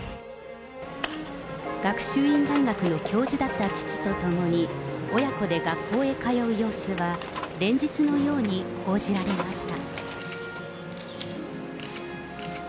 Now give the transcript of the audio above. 学習院大学の教授だった父と共に、親子で学校へ通う様子は、連日のように報じられました。